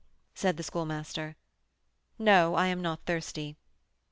said the Schoolmaster. "No; I am not thirsty."